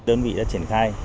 đơn vị đã triển khai